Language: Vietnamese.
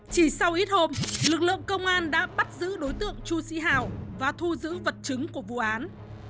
chỉ sau ít hôm lực lượng công an đã bắt giữ đối tượng chu sĩ hào và thu giữ vật chứng của vụ án